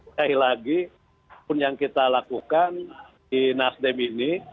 sekali lagi pun yang kita lakukan di nasdem ini